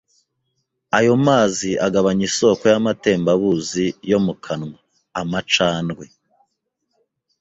ayo mazi agabanya isoko y’amatembabuzi yo mu kanwa (amacandwe),